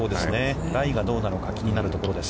ライがどうなるか気になるところです。